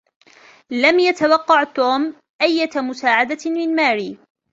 لم يتوقّع توم أيّة مساعدة من ماري.